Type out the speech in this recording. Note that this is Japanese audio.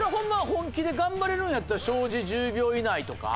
本気で頑張れるんやったら障子１０秒以内とか？